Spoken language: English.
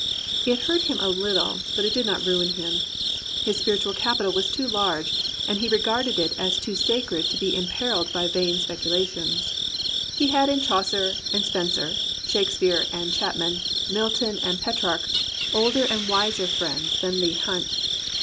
It hurt him a little, but it did not ruin him. His spiritual capital was too large, and he regarded it as too sacred to be imperilled by vain speculations. 169 COMPANIONABLE BOOKS He had in Chaucer and Spenser, Shakespeare and Chapman, Milton and Petrarch, older and wiser friends than Leigh Hunt.